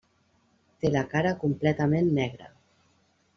Té la cara completament negra.